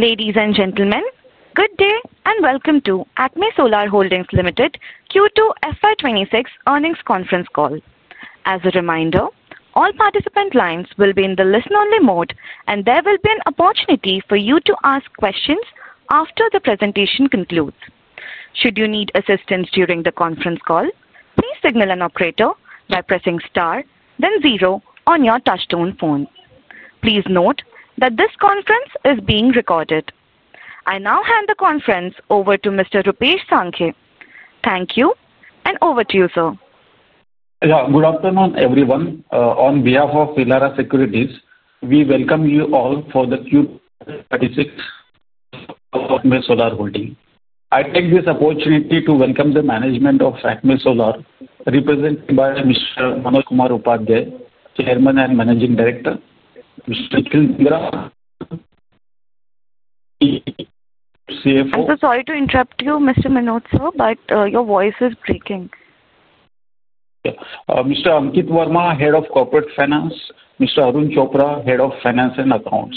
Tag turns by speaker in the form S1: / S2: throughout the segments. S1: Ladies and gentlemen, good day and welcome to ACME Solar Holdings Limited Q2 FY26 Earnings Conference Call. As a reminder, all participant lines will be in the listen-only mode, and there will be an opportunity for you to ask questions after the presentation concludes. Should you need assistance during the conference call, please signal an operator by pressing star, then zero on your touch-tone phone. Please note that this conference is being recorded. I now hand the conference over to Mr. Rupesh Sankhe. Thank you, and over to you, sir.
S2: Good afternoon, everyone. On behalf of Elara Securities, we welcome you all for the Q2 FY2026 of ACME Solar Holdings. I take this opportunity to welcome the management of ACME Solar, represented by Mr. Manoj Kumar Upadhyay, Chairman and Managing Director, Mr. Indira, CFO.
S1: I'm so sorry to interrupt you, Mr. Manoj, sir, but your voice is breaking.
S3: Mr. Ankit Verma, Head of Corporate Finance, Mr. Arun Chopra, Head of Finance and Accounts.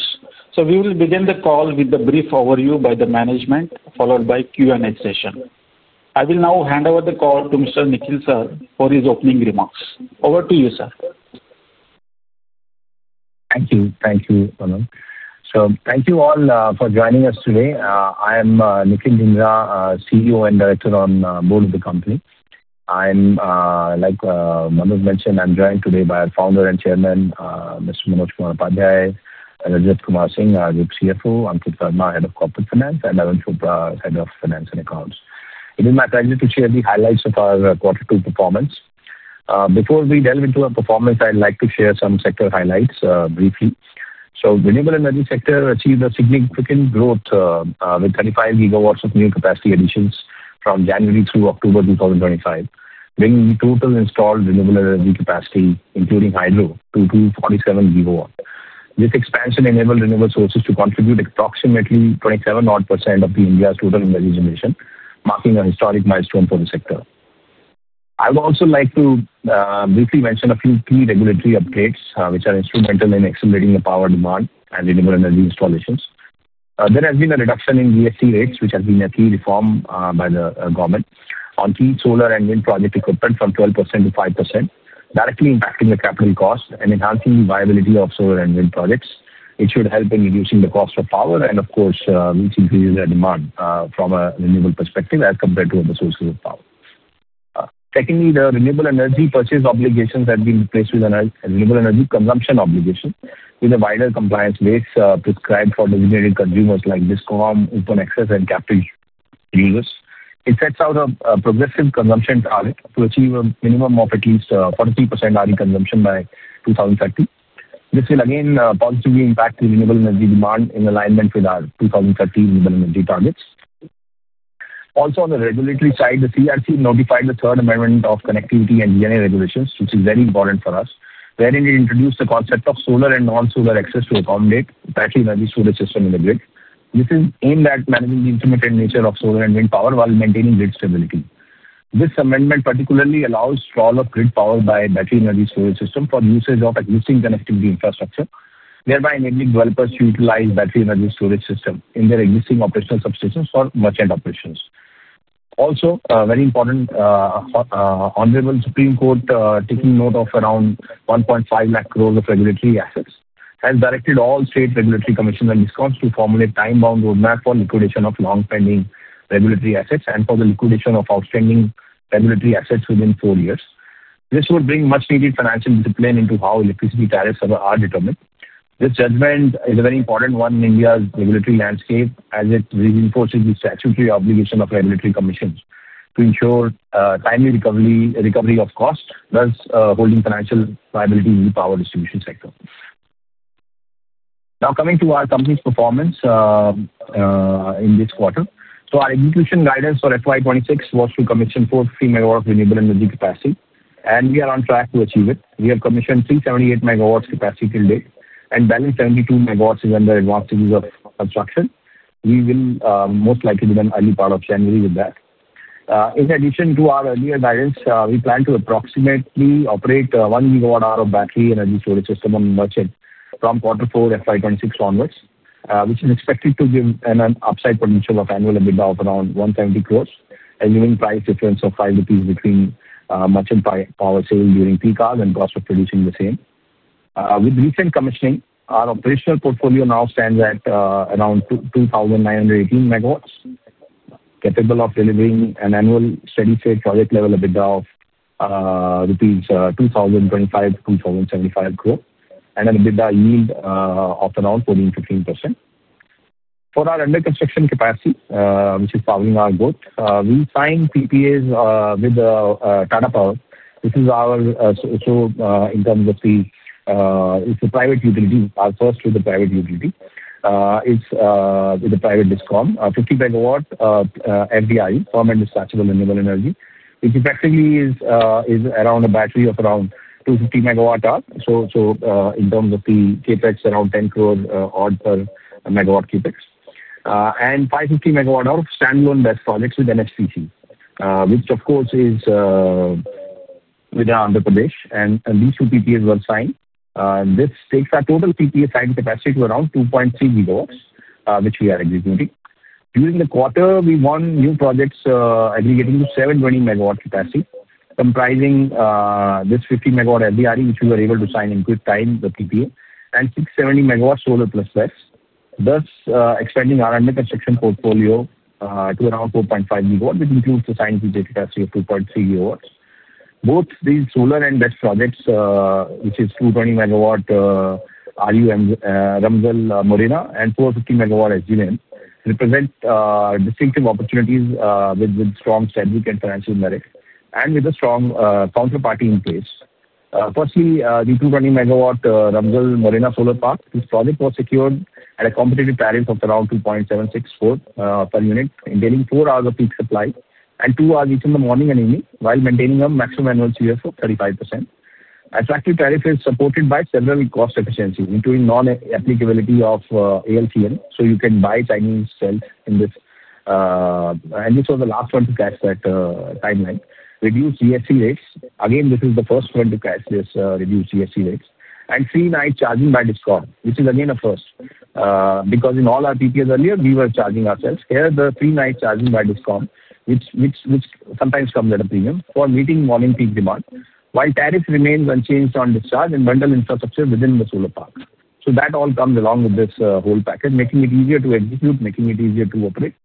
S3: We will begin the call with a brief overview by the management, followed by a Q&A session. I will now hand over the call to Mr. Nikhil sir for his opening remarks. Over to you, sir.
S4: Thank you. Thank you, Manoj. Thank you all for joining us today. I am Nikhil Dhingra, CEO and Director on board of the company. I am, like Manoj mentioned, I'm joined today by our Founder and Chairman, Mr. Manoj Upadhyay, Rajat Kumar Singh, our Group CFO, Ankit Verma, Head of Corporate Finance, and Arun Chopra, Head of Finance and Accounts. It is my pleasure to share the highlights of our Q2 performance. Before we delve into our performance, I'd like to share some sector highlights briefly. The renewable energy sector achieved significant growth with 35 GWs of new capacity additions from January through October 2025, bringing the total installed renewable energy capacity, including hydro, to 247 GW. This expansion enabled renewable sources to contribute approximately 27% of India's total energy generation, marking a historic milestone for the sector. I would also like to briefly mention a few key regulatory updates which are instrumental in accelerating the power demand and renewable energy installations. There has been a reduction in GST rates, which has been a key reform by the government, on key solar and wind project equipment from 12%-5%, directly impacting the capital cost and enhancing the viability of solar and wind projects, which would help in reducing the cost of power and, of course, which increases the demand from a renewable perspective as compared to other sources of power. Secondly, the renewable energy purchase obligations have been replaced with a renewable energy consumption obligation, with a wider compliance base prescribed for designated consumers like DISCOM, Open Access, and Captive users. It sets out a progressive consumption target to achieve a minimum of at least 43% RE consumption by 2030. This will again positively impact the renewable energy demand in alignment with our 2030 renewable energy targets. Also, on the regulatory side, the CRC notified the Third Amendment of connectivity and DNA regulations, which is very important for us, wherein it introduced the concept of solar and non-solar access to accommodate battery energy storage system in the grid. This is aimed at managing the intermittent nature of solar and wind power while maintaining grid stability. This amendment particularly allows the stall of grid power by battery energy storage system for usage of existing connectivity infrastructure, thereby enabling developers to utilize battery energy storage system in their existing operational substations for merchant operations. Also, a very important. Honorable Supreme Court, taking note of around 1.5 lakh crore of regulatory assets, has directed all state regulatory commissions and DISCOMs to formulate time-bound roadmaps for liquidation of long-pending regulatory assets and for the liquidation of outstanding regulatory assets within four years. This would bring much-needed financial discipline into how electricity tariffs are determined. This judgment is a very important one in India's regulatory landscape as it reinforces the statutory obligation of regulatory commissions to ensure timely recovery of costs whilst holding financial liability in the power distribution sector. Now, coming to our company's performance. In this quarter, our execution guidance for FY2026 was to commission 43 MW of renewable energy capacity, and we are on track to achieve it. We have commissioned 378 MW capacity till date and the balance 72 MW is under advanced stages of construction. We will most likely begin early part of January with that. In addition to our earlier guidance, we plan to approximately operate 1 GW hour of battery energy storage system on merchant from Q4 FY2026 onwards, which is expected to give an upside potential of annual EBITDA of around 170 crore, given a price difference of 5 rupees between merchant power sale during peak hours and cost of producing the same. With recent commissioning, our operational portfolio now stands at around 2,918 MWs, capable of delivering an annual steady-state project-level EBITDA of INR 2,025 crore-INR 2,075 crore, and an EBITDA yield of around 14%-15%. For our under-construction capacity, which is powering our growth, we signed PPAs with Tata Power. This is our, in terms of the, it is a private utility, our first with a private utility. It is with a private DISCOM, 50 MW FDRE, firm and dispatchable renewable energy, which effectively is around a battery of around 250 MW hour. In terms of the CapEx, around 10 crore per MW CapEx. And 550 MW hour of standalone BESS projects with NHPC, which is within Andhra Pradesh. These two PPAs were signed. This takes our total PPA signed capacity to around 2.3 GWs, which we are executing. During the quarter, we won new projects aggregating to 720 MW capacity, comprising this 50 MW FDRE, which we were able to sign in good time, the PPA, and 670 MW solar plus BESS, thus extending our under-construction portfolio to around 4.5 GWs, which includes the signed PPA capacity of 2.3 GW. Both these solar and BESS projects, which is 220 MW [RUMSL-Morena] and 450 MW SGWEN, represent distinctive opportunities with strong strategic and financial merit and with a strong counterparty in place. Firstly, the 220 MW [RUMSL-Morena]Solar Park, this project was secured at a competitive tariff of around 2.76 per unit, enabling four hours of peak supply and two hours each in the morning and evening while maintaining a maximum annual CO2 of 35%. Attractive tariff is supported by several cost efficiencies, including non-applicability of ALCM, so you can buy Chinese cells in this. This was the last one to catch that timeline. Reduced GST rates. Again, this is the first one to catch this reduced GST rates. Free night charging by DISCOM, which is again a first. Because in all our PPAs earlier, we were charging ourselves. Here, free night charging by DISCOM, which sometimes comes at a premium for meeting morning peak demand, while tariff remains unchanged on discharge and bundled infrastructure within the solar park. That all comes along with this whole package, making it easier to execute, making it easier to operate.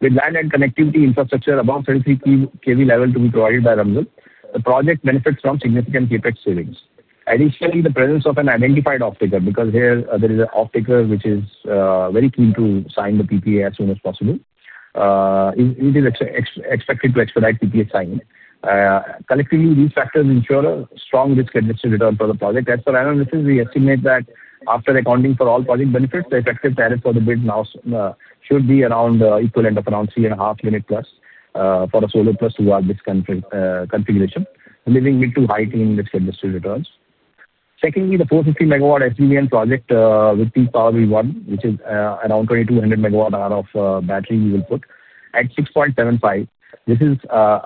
S4: With land and connectivity infrastructure above 33 kV level to be provided by RUMZL, the project benefits from significant CapEx savings. Additionally, the presence of an identified off-taker, because here there is an off-taker which is very keen to sign the PPA as soon as possible. It is expected to expedite PPA signing. Collectively, these factors ensure a strong risk-adjusted return for the project. As for analysis, we estimate that after accounting for all project benefits, the effective tariff for the bid now should be around equivalent of around 3.5 limit plus for a solar plus 2W configuration, leaving mid to high-teen risk-adjusted returns. Secondly, the 450 MW SGWEN project with peak power we won, which is around 2,200 MW hour of battery we will put at 6.75. This is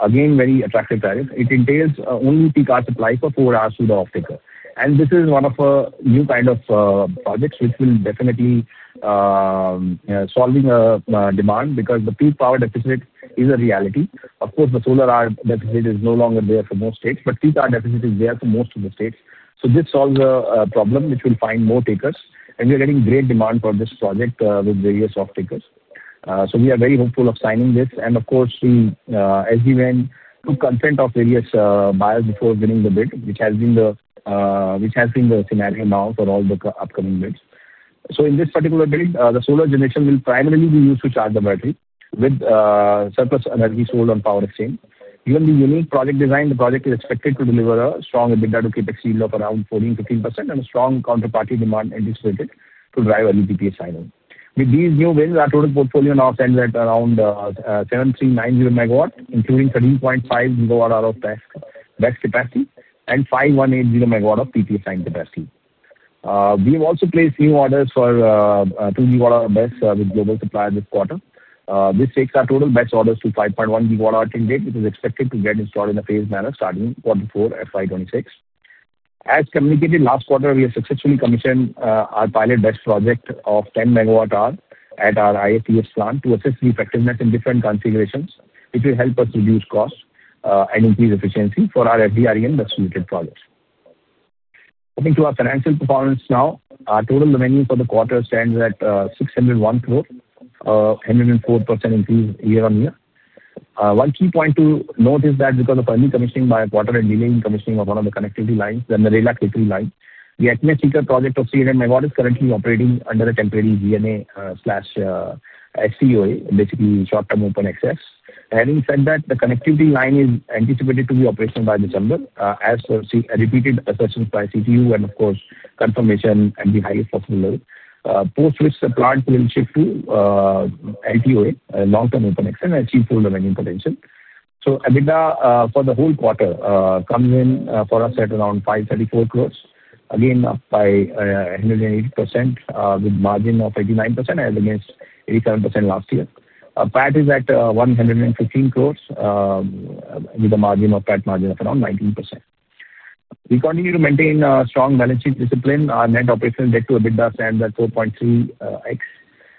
S4: again a very attractive tariff. It entails only peak hour supply for four hours to the off-taker. This is one of a new kind of projects which will definitely solve demand because the peak power deficit is a reality. Of course, the solar hour deficit is no longer there for most states, but peak hour deficit is there for most of the states. This solves a problem which will find more takers. We are getting great demand for this project with various off-takers. We are very hopeful of signing this. The SGWEN took consent of various buyers before winning the bid, which has been the scenario now for all the upcoming bids. In this particular bid, the solar generation will primarily be used to charge the battery with surplus energy sold on power exchange. Given the unique project design, the project is expected to deliver a strong EBITDA to CapEx yield of around 14%-15% and a strong counterparty demand anticipated to drive early PPA signing. With these new wins, our total portfolio now stands at around 7,390 MW, including 13.5 GW hour of BESS capacity and 5,180 MW of PPA signed capacity. We have also placed new orders for 2 GW hour BESS with global suppliers this quarter. This takes our total BESS orders to 5.1 GW hour till date, which is expected to get installed in a phased manner starting Q4 FY2026. As communicated last quarter, we have successfully commissioned our pilot BESS project of 10 MW hour at our IATS plant to assess the effectiveness in different configurations, which will help us reduce costs and increase efficiency for our FDRE and BESS-rated projects. Coming to our financial performance now, our total revenue for the quarter stands at 601 crore, a 104% increase year on year. One key point to note is that because of early commissioning by a quarter and delaying commissioning of one of the connectivity lines and the regulatory line, the ACME SECI project of 300 MW is currently operating under a temporary [DNA/SCOA], basically short-term open access. Having said that, the connectivity line is anticipated to be operational by December as repeated assertions by CTU and, of course, confirmation at the highest possible level. Post which, the plant will shift to LTOA, long-term open access, and achieve full revenue potential. EBITDA for the whole quarter comes in for us at around 534 crore, again up by 180% with margin of 89% as against 87% last year. PAT is at 115 crore, with a PAT margin of around 19%. We continue to maintain strong balance sheet discipline. Our net operational debt to EBITDA stands at 4.3X,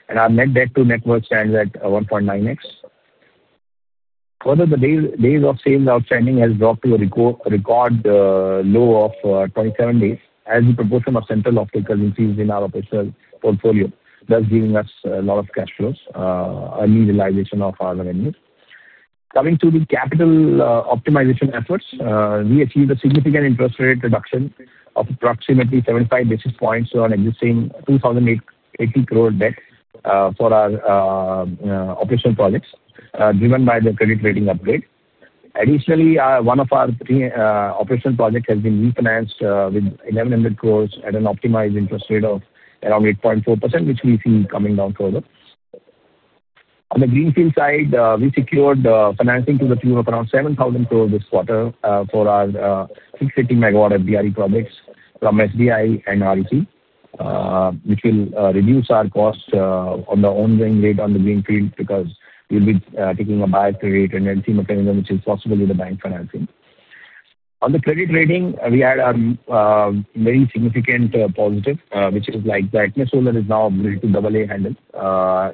S4: and our net debt to net worth stands at 1.9X. Further, the days of sales outstanding has dropped to a record low of 27 days as the proportion of central off-taker increased in our operational portfolio, thus giving us a lot of cash flows, early realization of our revenues. Coming to the capital optimization efforts, we achieved a significant interest rate reduction of approximately 75 basis points on existing 2,080 crore debt for our operational projects, driven by the credit rating upgrade. Additionally, one of our operational projects has been refinanced with 1,100 crore at an optimized interest rate of around 8.4%, which we see coming down further. On the greenfield side, we secured financing to the tune of around 7,000 crore this quarter for our 650 MW FDRE projects from SBI and REC, which will reduce our cost on the ongoing rate on the greenfield because we'll be taking a biased rate and then see what kind of which is possible with the bank financing. On the credit rating, we had a very significant positive, which is like the ACME Solar is now upgraded to AA handle.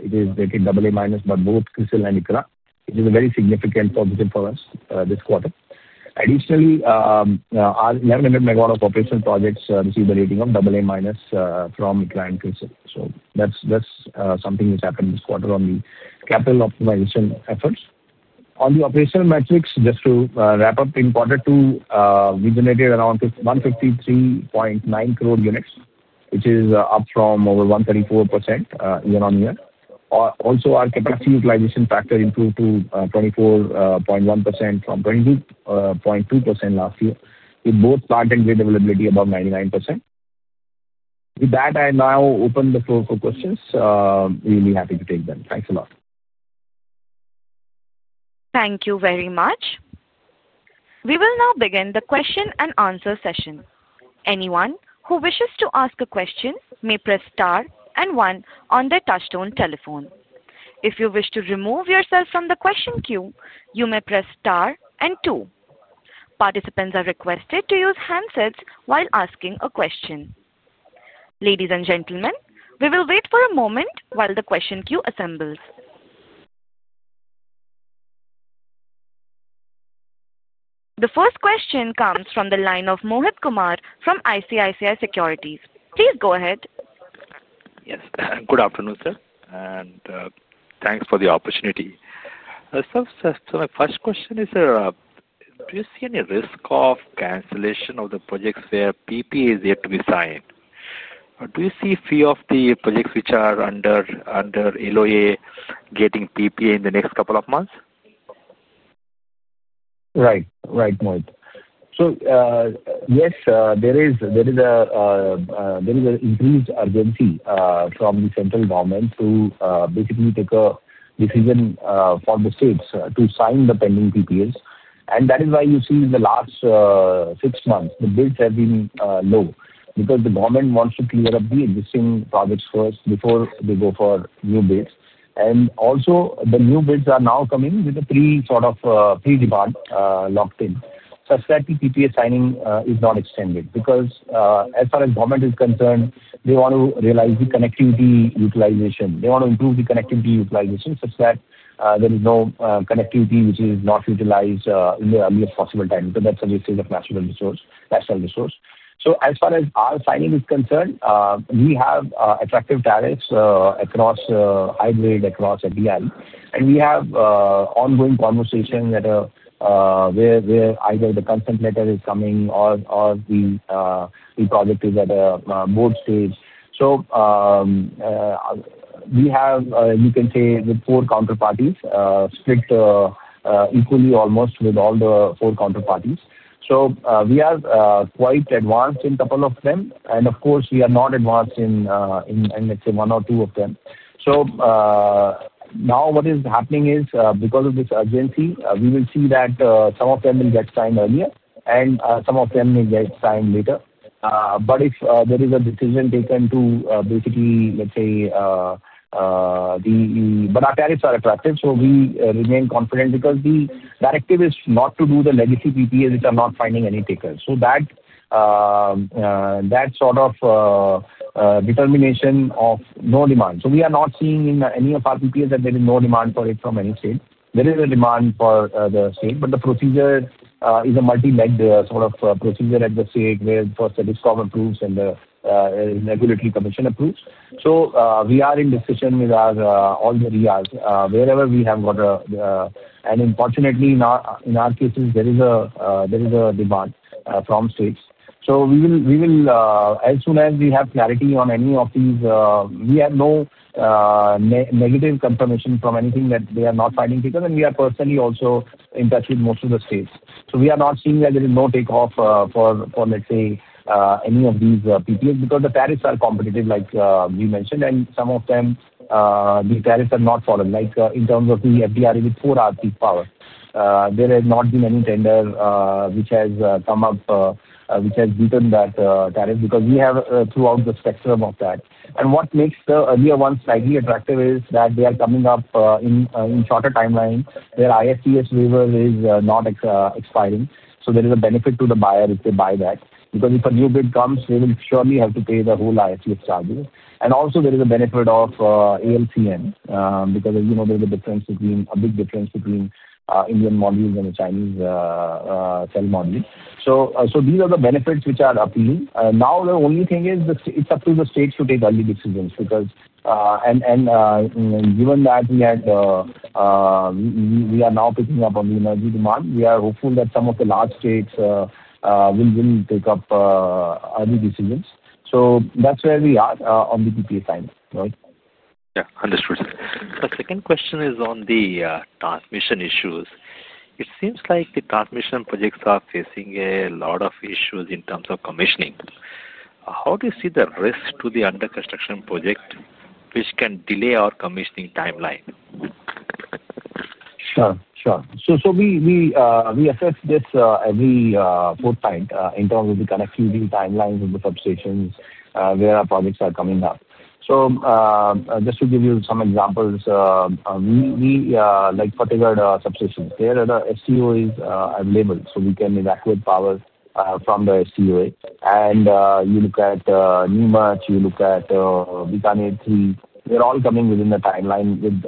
S4: It is rated AA minus by both CRISIL and ICRA, which is a very significant positive for us this quarter. Additionally, our 1,100 MW of operational projects received a rating of AA minus from ICRA and CRISIL. So that's something which happened this quarter on the capital optimization efforts. On the operational metrics, just to wrap up, in quarter two, we generated around 153.9 crore units, which is up from over 134% year on year. Also, our capacity utilization factor improved to 24.1% from 22.2% last year, with both plant and grid availability above 99%. With that, I now open the floor for questions. We'll be happy to take them. Thanks a lot.
S1: Thank you very much. We will now begin the question and answer session. Anyone who wishes to ask a question may press star and one on their touchstone telephone. If you wish to remove yourself from the question queue, you may press star and two. Participants are requested to use handsets while asking a question. Ladies and gentlemen, we will wait for a moment while the question queue assembles. The first question comes from the line of Mohit Kumar from ICICI Securities. Please go ahead.
S5: Yes. Good afternoon, sir. Thanks for the opportunity. My first question is, do you see any risk of cancellation of the projects where PPA is yet to be signed? Do you see a few of the projects which are under LOA getting PPA in the next couple of months?
S4: Right. Right, Mohit. Yes, there is an increased urgency from the central government to basically take a decision for the states to sign the pending PPAs. That is why you see in the last six months, the bids have been low because the government wants to clear up the existing projects first before they go for new bids. Also, the new bids are now coming with a pre-debug locked in such that the PPA signing is not extended because as far as government is concerned, they want to realize the connectivity utilization. They want to improve the connectivity utilization such that there is no connectivity which is not utilized in the earliest possible time. That is a wastage of national resource. As far as our signing is concerned, we have attractive tariffs across hybrid, across FDRE. We have ongoing conversation at a where either the consent letter is coming or the project is at a board stage. We have, you can say, with four counterparties split equally almost with all the four counterparties. We are quite advanced in a couple of them. Of course, we are not advanced in, let's say, one or two of them. Now what is happening is because of this urgency, we will see that some of them will get signed earlier and some of them may get signed later. If there is a decision taken to basically, let's say, but our tariffs are attractive, so we remain confident because the directive is not to do the legacy PPAs which are not finding any takers. That sort of determination of no demand. We are not seeing in any of our PPAs that there is no demand for it from any state. There is a demand for the state, but the procedure is a multi-legged sort of procedure at the state where first the DISCOM approves and the regulatory commission approves. We are in discussion with all the REAs wherever we have got a. Unfortunately, in our cases, there is a demand from states. We will, as soon as we have clarity on any of these, we have no negative confirmation from anything that they are not finding takers. We are personally also in touch with most of the states. We are not seeing that there is no takeoff for, let's say, any of these PPAs because the tariffs are competitive, like we mentioned. Some of them, the tariffs are not followed. Like in terms of the FDRE with 4-hour peak power, there has not been any tender which has come up, which has beaten that tariff because we have throughout the spectrum of that. What makes the earlier ones slightly attractive is that they are coming up in shorter timeline where ISTS waiver is not expiring. There is a benefit to the buyer if they buy that because if a new bid comes, they will surely have to pay the whole ISTS charges. Also, there is a benefit of ALCM because there is a big difference between Indian modules and the Chinese cell modules. These are the benefits which are appealing. Now, the only thing is it's up to the states to take early decisions because, given that we are now picking up on the energy demand, we are hopeful that some of the large states will take up early decisions. That's where we are on the PPA signing.
S5: Yeah. Understood. The second question is on the transmission issues. It seems like the transmission projects are facing a lot of issues in terms of commissioning. How do you see the risk to the under-construction project which can delay our commissioning timeline?
S4: Sure. Sure. We assess this every footprint in terms of the connectivity timelines of the substations where our projects are coming up. Just to give you some examples. Like Fatehgarh substations, their SCOAs are available, so we can evacuate power from the SCOA. You look at Nemat, you look at [BCANET 3]. They are all coming within the timeline with,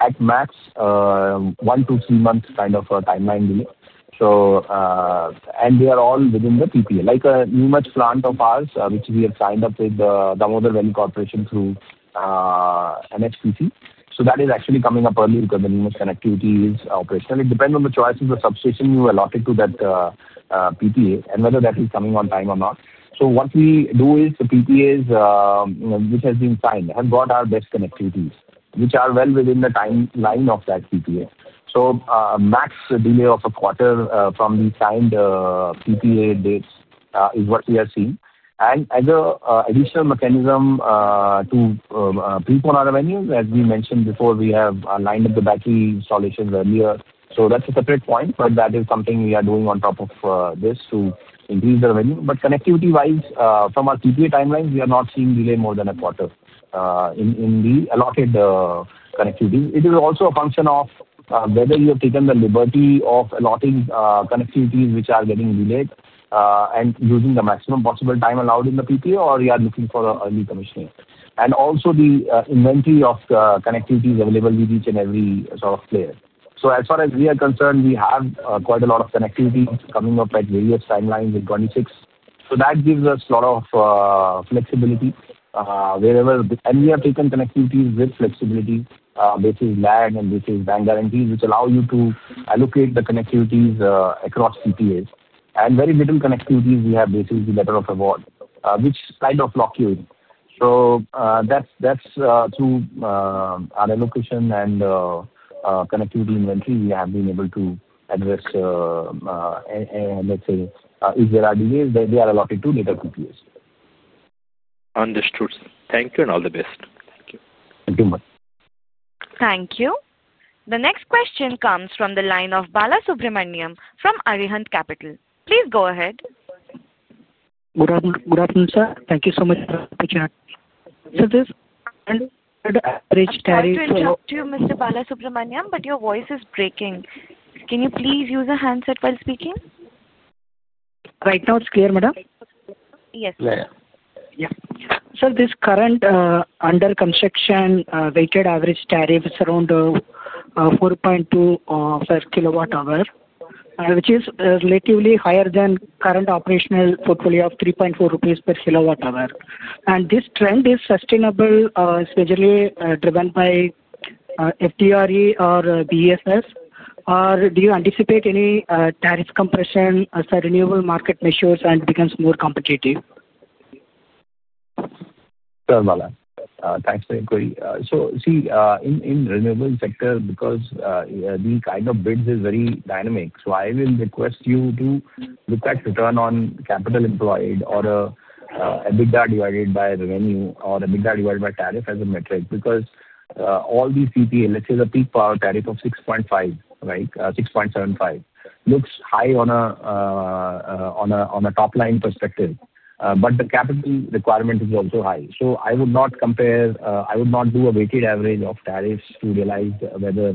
S4: at max, one, two, three months kind of a timeline delay. They are all within the PPA. Like a Nemat plant of ours, which we have signed up with Damodar Valley Corporation through NHPC. That is actually coming up early because the Nemat connectivity is operational. It depends on the choices of the substation you allot it to that PPA and whether that is coming on time or not. What we do is the PPAs which have been signed have got our best connectivities, which are well within the timeline of that PPA. Max delay of a quarter from the signed PPA dates is what we are seeing. As an additional mechanism to peak on our revenue, as we mentioned before, we have lined up the battery installations earlier. That is a separate point, but that is something we are doing on top of this to increase the revenue. Connectivity-wise, from our PPA timelines, we are not seeing delay more than a quarter in the allotted connectivity. It is also a function of whether you have taken the liberty of allotting connectivities which are getting delayed and using the maximum possible time allowed in the PPA or you are looking for early commissioning. Also, the inventory of connectivities available with each and every sort of player. As far as we are concerned, we have quite a lot of connectivity coming up at various timelines in 2026. That gives us a lot of flexibility wherever. We have taken connectivities with flexibility basis lag and basis bank guarantees, which allow you to allocate the connectivities across PPAs. Very little connectivities we have basis in letter of award, which kind of lock you in. Through our allocation and connectivity inventory, we have been able to address, let's say, if there are delays, they are allotted to later PPAs.
S5: Understood. Thank you and all the best. Thank you.
S4: Thank you very much.
S1: Thank you. The next question comes from the line of Balasubramaniam from Arihant Capital. Please go ahead.
S6: Good afternoon, sir. Thank you so much for the opportunity. This under-average tariff too.
S1: I'm going to talk to you, Mr. Balasubramaniam, but your voice is breaking. Can you please use a handset while speaking?
S6: Right now, it's clear, madam?
S4: Yes.
S6: Yeah. Sir, this current under-construction weighted average tariff is around 4.2 per kilowatt-hour, which is relatively higher than current operational portfolio of 3.4 rupees per kilowatt-hour. This trend is sustainable, especially driven by FDRE or BESS? Or do you anticipate any tariff compression as the renewable market matures and becomes more competitive?
S3: Sir, madam, thanks for the inquiry. See, in the renewable sector, because the kind of bids is very dynamic, I will request you to look at return on capital employed or EBITDA divided by revenue or EBITDA divided by tariff as a metric because all these PPA, let's say the peak power tariff of 6.75, looks high on a top-line perspective, but the capital requirement is also high. I would not compare, I would not do a weighted average of tariffs to realize whether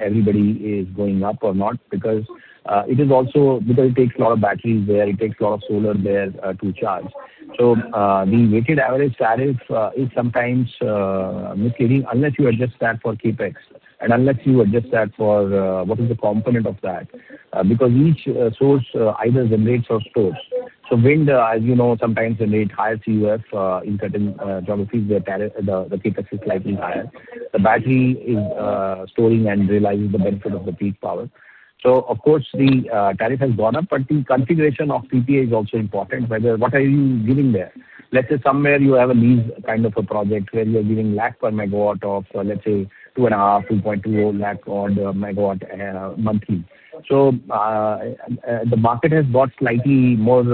S3: everybody is going up or not because it is also because it takes a lot of batteries there, it takes a lot of solar there to charge. The weighted average tariff is sometimes misleading unless you adjust that for CapEx and unless you adjust that for what is the component of that because each source either generates or stores. Wind, as you know, sometimes generates higher CUF in certain geographies where the CapEx is slightly higher. The battery is storing and realizes the benefit of the peak power. Of course, the tariff has gone up, but the configuration of PPA is also important. What are you giving there? Let's say somewhere you have a lease kind of a project where you're giving lakh per MW of, let's say, 2.5-2.2 lakh per megawatt monthly. The market has got slightly more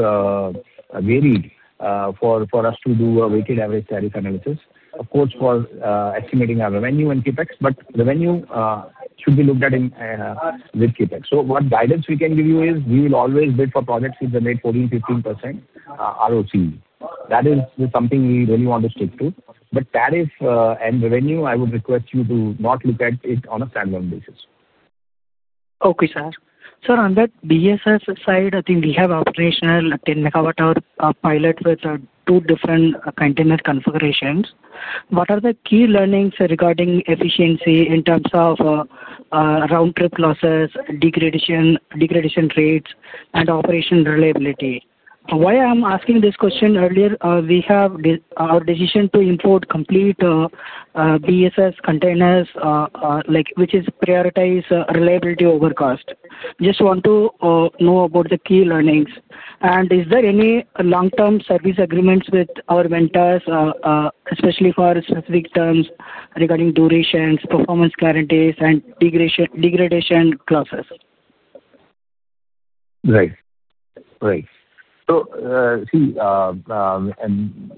S3: varied for us to do a weighted average tariff analysis, of course, for estimating our revenue and CapEx, but revenue should be looked at with CapEx. What guidance we can give you is we will always bid for projects with the rate 14%-15% ROC. That is something we really want to stick to. Tariff and revenue, I would request you to not look at it on a standalone basis.
S6: Okay, sir. Sir, on that BESS side, I think we have operational 10 MW-hour pilot with two different container configurations. What are the key learnings regarding efficiency in terms of round-trip losses, degradation rates, and operation reliability? Why I'm asking this question, earlier we have our decision to import complete BESS containers, which is prioritized reliability over cost. Just want to know about the key learnings. Is there any long-term service agreements with our vendors, especially for specific terms regarding durations, performance guarantees, and degradation clauses?
S3: Right. Right. See,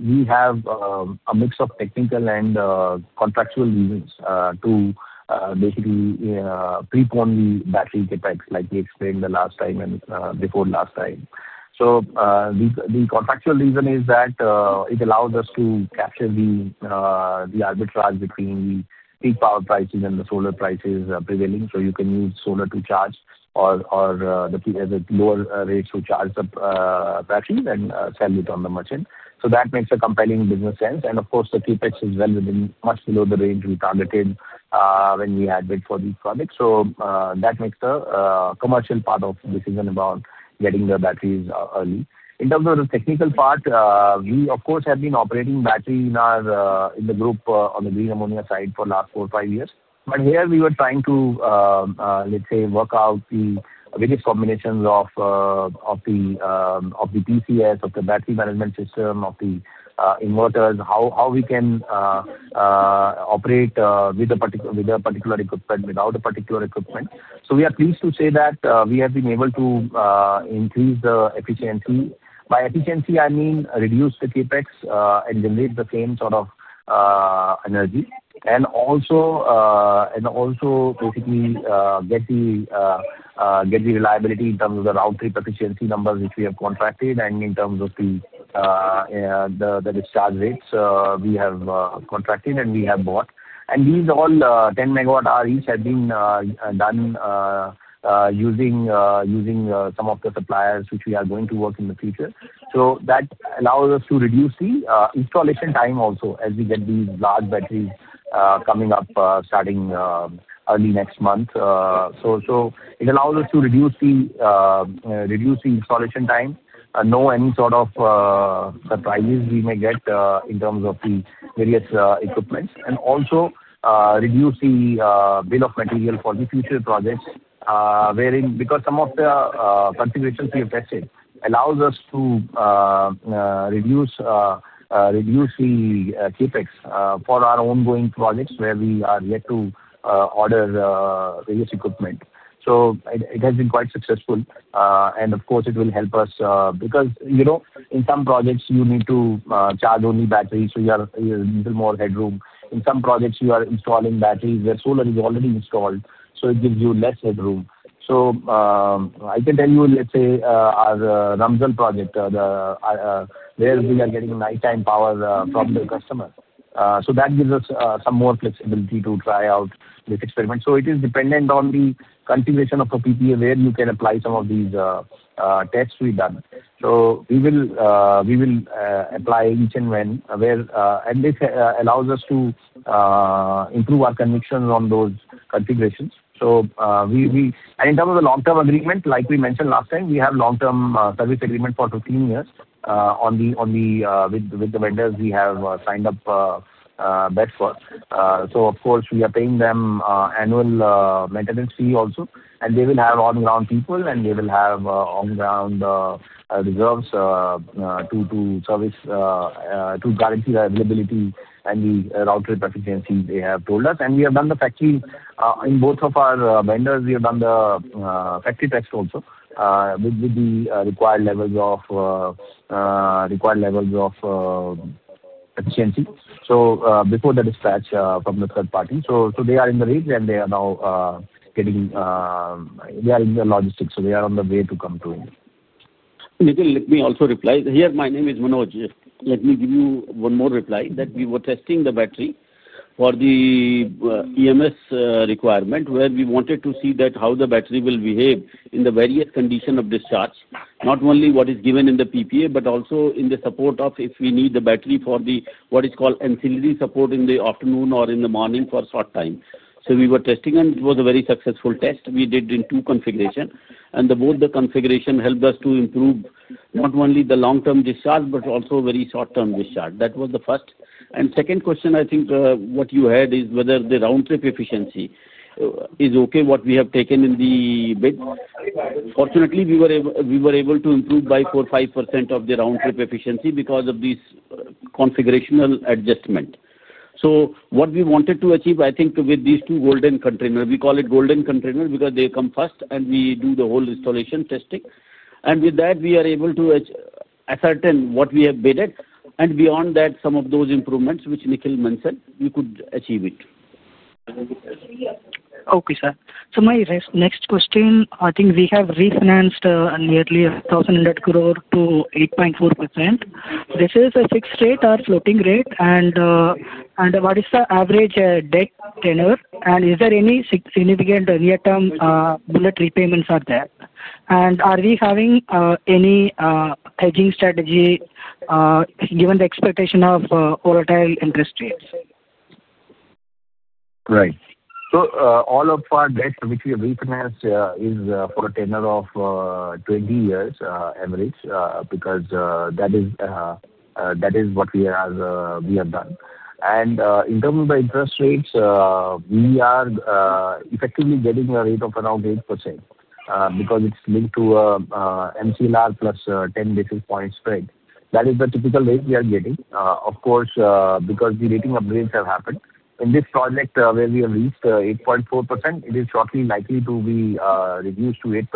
S3: we have a mix of technical and contractual reasons to basically prepone the battery CapEx like we explained the last time and before last time. The contractual reason is that it allows us to capture the arbitrage between the peak power prices and the solar prices prevailing. You can use solar to charge or the lower rates to charge the batteries and sell it on the merchant. That makes a compelling business sense. Of course, the CapEx is well within, much below the range we targeted when we had bid for these projects. That makes the commercial part of the decision about getting the batteries early. In terms of the technical part, we, of course, have been operating battery in the group on the green ammonia side for the last four or five years. Here we were trying to, let's say, work out the various combinations of the PCS, of the battery management system, of the inverters, how we can operate with a particular equipment without a particular equipment. We are pleased to say that we have been able to increase the efficiency. By efficiency, I mean reduce the CapEx and generate the same sort of energy. Also, basically get the reliability in terms of the round-trip efficiency numbers which we have contracted and in terms of the discharge rates we have contracted and we have bought. These all 10 MW-hour each have been done using some of the suppliers which we are going to work with in the future. That allows us to reduce the installation time also as we get these large batteries coming up starting early next month. It allows us to reduce the installation time, know any sort of surprises we may get in terms of the various equipment, and also reduce the bill of material for the future projects. Some of the configurations we have tested allow us to reduce the CapEx for our ongoing projects where we are yet to order various equipment. It has been quite successful. Of course, it will help us because in some projects, you need to charge only batteries, so you have a little more headroom. In some projects, you are installing batteries where solar is already installed, so it gives you less headroom. I can tell you, let's say, our [Ramzal project], where we are getting nighttime power from the customer. That gives us some more flexibility to try out this experiment. It is dependent on the configuration of the PPA where you can apply some of these tests we've done. We will apply each and when, and this allows us to improve our convictions on those configurations. In terms of the long-term agreement, like we mentioned last time, we have long-term service agreement for 15 years with the vendors we have signed up. Bet for. Of course, we are paying them annual maintenance fee also, and they will have on-ground people, and they will have on-ground reserves to guarantee the availability and the round-trip efficiency they have told us. We have done the factory in both of our vendors. We have done the factory test also with the required levels of efficiency before the dispatch from the third party. They are in the rate and they are now getting.
S4: They are in the logistics, so they are on the way to come to. Nitin, let me also reply. Here, my name is Manoj. Let me give you one more reply that we were testing the battery for the EMS requirement where we wanted to see how the battery will behave in the various conditions of discharge, not only what is given in the PPA, but also in the support of if we need the battery for what is called ancillary support in the afternoon or in the morning for a short time. We were testing, and it was a very successful test we did in two configurations. Both the configurations helped us to improve not only the long-term discharge but also very short-term discharge. That was the first. Second question, I think what you had is whether the round-trip efficiency is okay, what we have taken in the bid. Fortunately, we were able to improve by 4%-5% of the round-trip efficiency because of this configurational adjustment. What we wanted to achieve, I think, with these two golden containers, we call it golden containers because they come first, and we do the whole installation testing. With that, we are able to ascertain what we have bidded. Beyond that, some of those improvements which Nikhil mentioned, we could achieve it.
S6: Okay, sir. My next question, I think we have refinanced nearly 1,100 crore to 8.4%. Is this a fixed rate or floating rate? What is the average debt tenure? Is there any significant near-term bullet repayments out there? Are we having any hedging strategy given the expectation of volatile interest rates?
S3: Right. So all of our debt which we have refinanced is for a tenure of 20 years average because that is what we have done. In terms of the interest rates, we are effectively getting a rate of around 8% because it's linked to an MCLR plus 10 basis points spread. That is the typical rate we are getting. Of course, because the rating upgrades have happened, in this project where we have reached 8.4%, it is shortly likely to be reduced to 8%.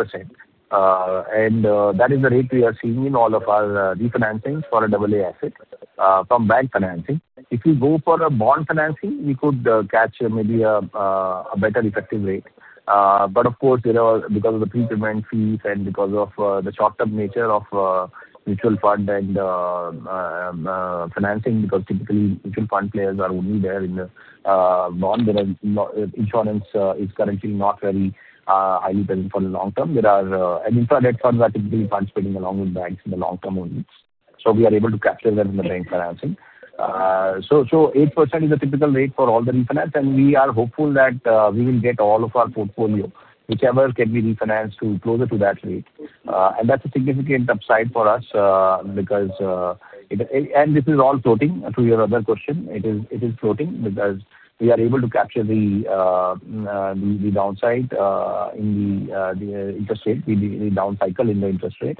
S3: That is the rate we are seeing in all of our refinancings for a double-A asset from bank financing. If we go for a bond financing, we could catch maybe a better effective rate. Of course, because of the prepayment fees and because of the short-term nature of mutual fund and financing, because typically mutual fund players are only there in the bond, insurance is currently not very highly present for the long term. Infra-debt funds are typically participating along with banks in the long term only. We are able to capture them in the bank financing. 8% is a typical rate for all the refinance, and we are hopeful that we will get all of our portfolio, whichever can be refinanced, to closer to that rate. That is a significant upside for us because this is all floating. To your other question, it is floating because we are able to capture the downside in the interest rate, the down cycle in the interest rate.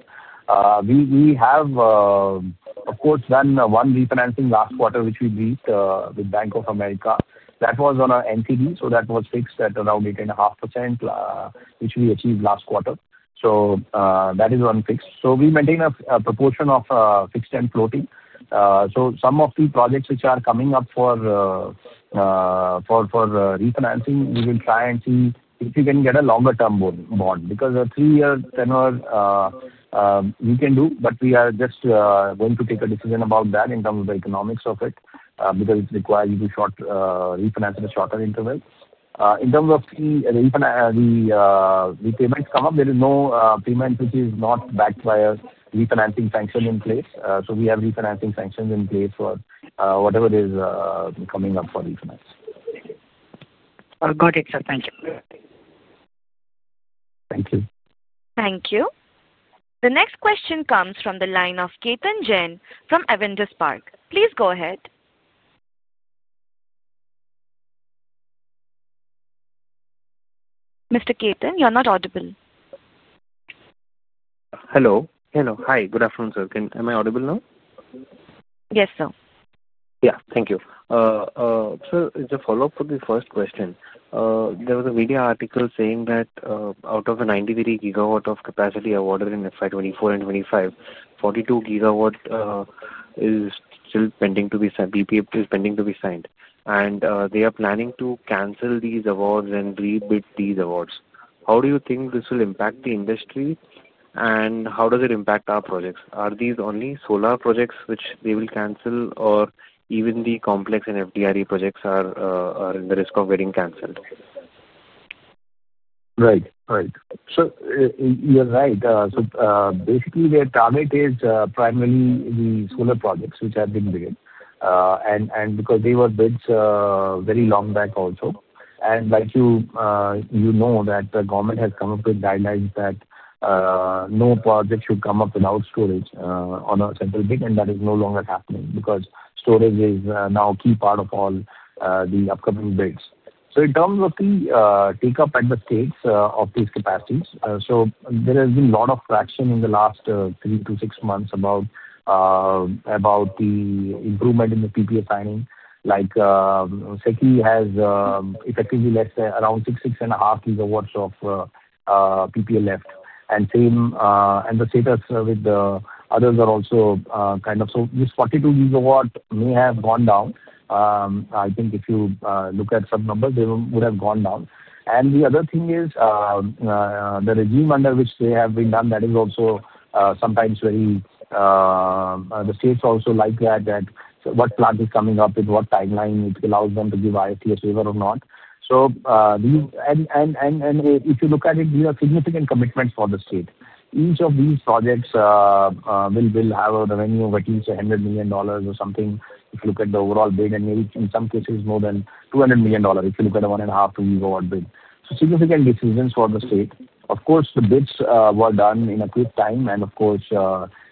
S3: We have, of course, done one refinancing last quarter which we briefed with Bank of America. That was on an NTD, so that was fixed at around 8.5% which we achieved last quarter. That is unfixed. We maintain a proportion of fixed and floating. Some of the projects which are coming up for refinancing, we will try and see if we can get a longer-term bond because a three-year tenor we can do, but we are just going to take a decision about that in terms of the economics of it because it requires you to refinance at a shorter interval. In terms of the repayments come up, there is no payment which is not backed by a refinancing sanction in place. We have refinancing sanctions in place for whatever is coming up for refinance.
S6: Got it, sir. Thank you.
S4: Thank you.
S1: Thank you. The next question comes from the line of [Capen Jen] from Avengers Park. Please go ahead. Mr. [Capen], you're not audible. Hello. Hi. Good afternoon, sir. Am I audible now?
S4: Yes, sir. Yeah. Thank you. Sir, it's a follow-up to the first question. There was a media article saying that out of the 93 GW of capacity awarded in FY 2024 and 2025, 42 GW is still pending to be signed, BPF is pending to be signed. They are planning to cancel these awards and re-bid these awards. How do you think this will impact the industry, and how does it impact our projects? Are these only solar projects which they will cancel, or even the complex and FDRE projects are in the risk of getting canceled? Right. Right. So you're right. So basically, their target is primarily the solar projects which have been bidded. And because they were bid very long back also. And like you know that the government has come up with guidelines that no project should come up without storage on a central bid, and that is no longer happening because storage is now a key part of all the upcoming bids. In terms of the take-up at the states of these capacities, there has been a lot of traction in the last three to six months about the improvement in the PPA signing. Like SECI has effectively left around 6-6.5 GWs of PPA left, and the status with the others are also kind of so this 42 GW may have gone down. I think if you look at some numbers, they would have gone down. The other thing is the regime under which they have been done, that is also sometimes very—the states also like that, that what plant is coming up with what timeline, which allows them to give IFTS waiver or not. If you look at it, these are significant commitments for the state. Each of these projects will have a revenue of at least $100 million or something if you look at the overall bid, and maybe in some cases more than $200 million if you look at a one and a half to two gigawatt bid. Significant decisions for the state. Of course, the bids were done in a quick time, and of course,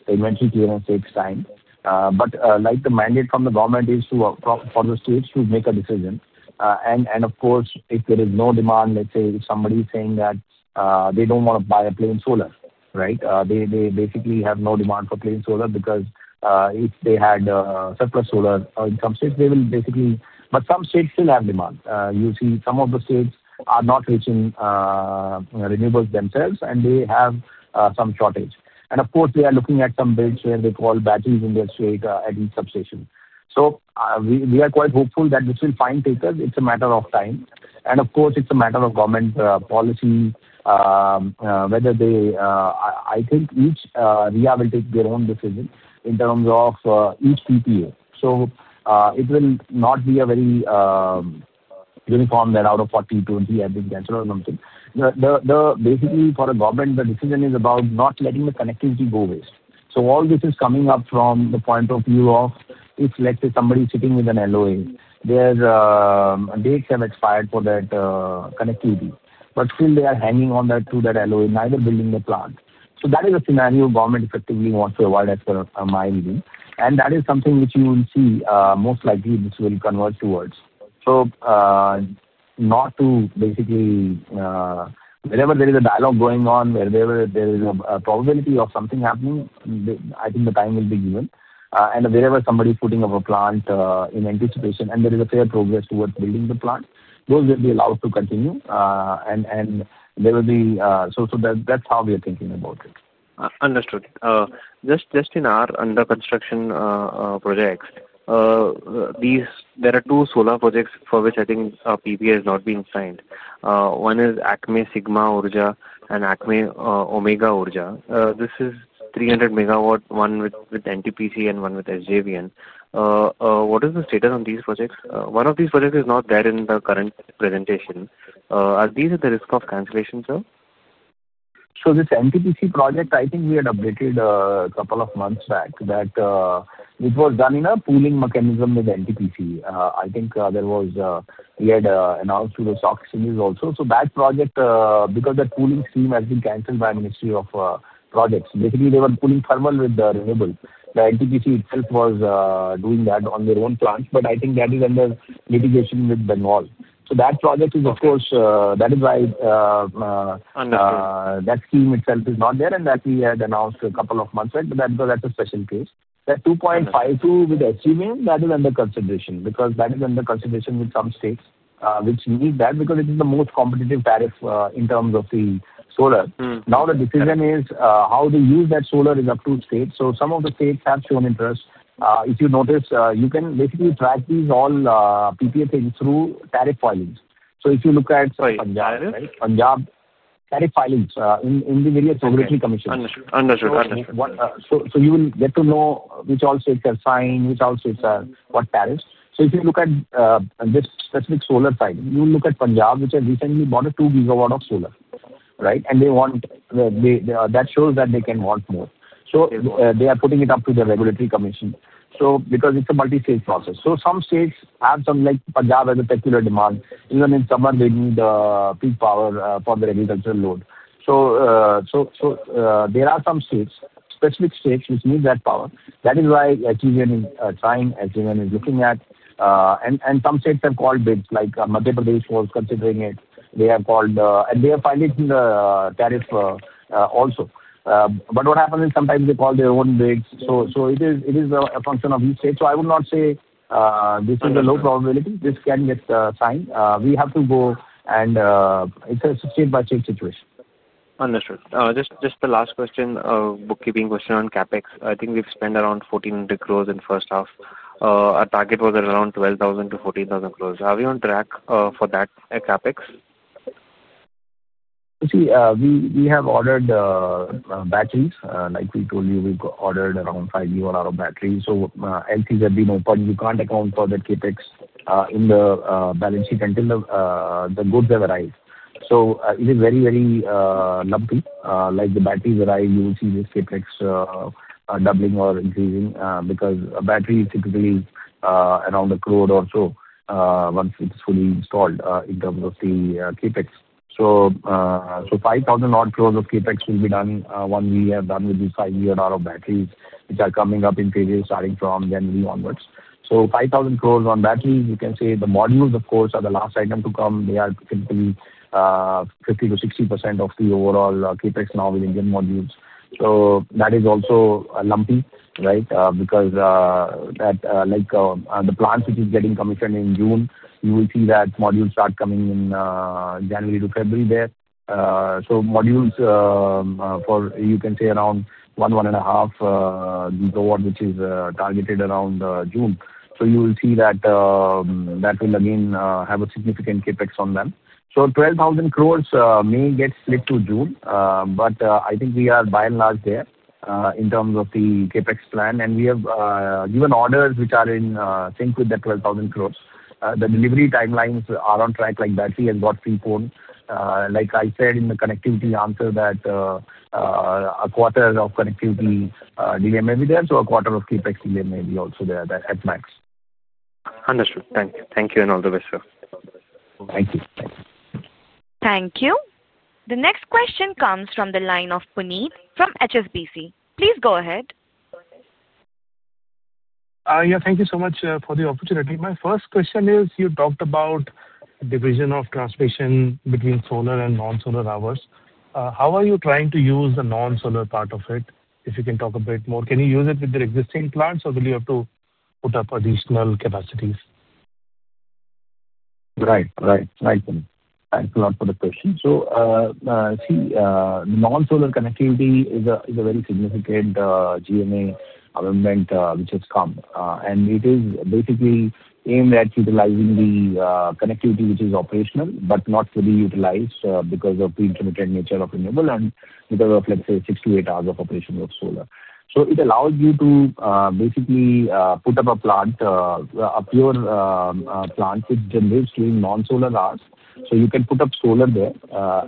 S4: the inventory clearance takes time. The mandate from the government is for the states to make a decision. If there is no demand, let's say somebody is saying that they do not want to buy a plain solar, right? They basically have no demand for plain solar because if they had surplus solar in some states, they will basically—but some states still have demand. You see, some of the states are not reaching renewables themselves, and they have some shortage. They are looking at some bids where they call batteries in their state at each substation. We are quite hopeful that this will find takers. It is a matter of time. It is a matter of government policy. I think each REA will take their own decision in terms of each PPA. It will not be very uniform that out of 40, 20 have been canceled or something. Basically, for a government, the decision is about not letting the connectivity go waste. All this is coming up from the point of view of if, let's say, somebody is sitting with an LOA, their dates have expired for that connectivity, but still they are hanging on to that LOA, neither building the plant. That is a scenario government effectively wants to avoid, as per my reading. That is something which you will see most likely this will converge towards. Not to basically. Wherever there is a dialogue going on, wherever there is a probability of something happening, I think the time will be given. Wherever somebody is putting up a plant in anticipation and there is a fair progress towards building the plant, those will be allowed to continue. That is how we are thinking about it. Understood. Just in our under-construction projects. There are two solar projects for which I think PPA has not been signed. One is ACME Sigma Urja and ACME Omega Urja. This is 300 MW, one with NTPC and one with SJVN. What is the status on these projects? One of these projects is not there in the current presentation. Are these at the risk of cancellation, sir?
S3: This NTPC project, I think we had updated a couple of months back that it was done in a pooling mechanism with NTPC. I think we had announced through the SOC exchanges also. That project, because that pooling scheme has been canceled by the Ministry of Projects, basically, they were pooling thermal with the renewables. NTPC itself was doing that on their own plant, but I think that is under litigation with Bengal. That project is, of course, that is why. Understood.
S4: That scheme itself is not there and that we had announced a couple of months back, but that's a special case. That 2.52 with SJVN, that is under consideration because that is under consideration with some states which need that because it is the most competitive tariff in terms of the solar. Now the decision is how they use that solar is up to states. Some of the states have shown interest. If you notice, you can basically track these all PPA things through tariff filings. If you look at. Right. Punjab, right? Punjab tariff filings in the various regulatory commissions. Understood. You will get to know which all states have signed, which all states are what tariffs. If you look at this specific solar side, you will look at Punjab, which has recently bought 2 GWs of solar, right? They want. That shows that they can want more. They are putting it up to the regulatory commission because it is a multi-state process. Some states have some, like Punjab has a particular demand. Even in summer, they need peak power for their agricultural load. There are some states, specific states, which need that power. That is why SJVN is trying. SJVN is looking at. Some states have called bids. Like Madhya Pradesh was considering it. They have called and they are filing the tariff also. What happens is sometimes they call their own bids. It is a function of each state. I would not say this is a low probability. This can get signed. We have to go and it is a state-by-state situation. Understood. Just the last question, bookkeeping question on CapEx. I think we've spent around 14,000 crore in first half. Our target was around 12,000-14,000 crore. Are we on track for that CapEx? You see, we have ordered batteries. Like we told you, we've ordered around 5 GW of batteries. LTs have been opened. You can't account for the CapEx in the balance sheet until the goods have arrived. It is very, very lumpy. Like the batteries arrive, you will see this CapEx doubling or increasing because a battery is typically around 10,000,000 or so once it's fully installed in terms of the CapEx. 5,000 crore of CapEx will be done once we are done with these 5 GW of batteries which are coming up in phases starting from January onwards. 5,000 crore on batteries, you can say. The modules, of course, are the last item to come. They are typically 50%-60% of the overall CapEx now with Indian modules. That is also lumpy, right? The plants which are getting commissioned in June, you will see that modules start coming in January to February there. Modules, you can say around one to 1.5 GW which is targeted around June. You will see that will again have a significant CapEx on them. 12,000 crore may get split to June, but I think we are by and large there in terms of the CapEx plan. We have given orders which are in sync with the 12,000 crore. The delivery timelines are on track. Like battery has got preponed. Like I said in the connectivity answer, a quarter of connectivity delay may be there, so a quarter of CapEx delay may be also there at max. Understood. Thank you. Thank you in all the ways, sir. Thank you.
S1: Thank you. The next question comes from the line of Puneet from HSBC. Please go ahead.
S7: Yeah. Thank you so much for the opportunity. My first question is you talked about division of transmission between solar and non-solar hours. How are you trying to use the non-solar part of it? If you can talk a bit more, can you use it with the existing plants, or will you have to put up additional capacities?
S4: Right. Right. Thanks a lot for the question. See, the non-solar connectivity is a very significant GMA amendment which has come. It is basically aimed at utilizing the connectivity which is operational but not fully utilized because of the intermittent nature of renewable and because of, let's say, six to eight hours of operation of solar. It allows you to basically put up a plant, a pure plant which generates during non-solar hours. You can put up solar there,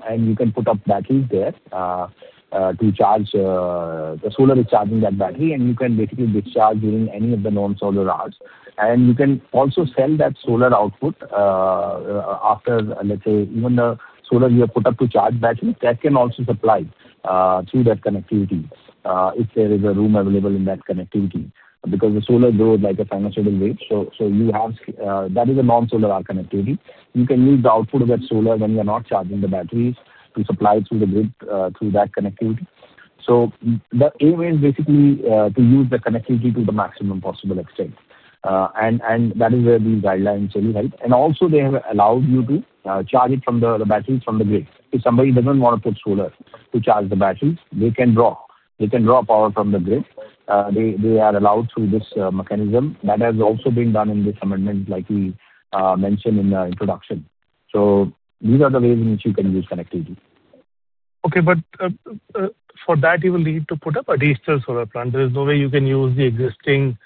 S4: and you can put up batteries there to charge. The solar is charging that battery, and you can basically discharge during any of the non-solar hours. You can also sell that solar output after, let's say, even the solar you have put up to charge batteries. That can also supply through that connectivity if there is room available in that connectivity because the solar goes like a sinusoidal wave. You have that non-solar hour connectivity. You can use the output of that solar when you are not charging the batteries to supply through the grid through that connectivity. The aim is basically to use the connectivity to the maximum possible extent. That is where these guidelines really help. Also, they have allowed you to charge it from the batteries from the grid. If somebody does not want to put solar to charge the batteries, they can draw. They can draw power from the grid. They are allowed through this mechanism. That has also been done in this amendment, like we mentioned in the introduction. These are the ways in which you can use connectivity.
S7: Okay. For that, you will need to put up a digital solar plant. There is no way you can use the existing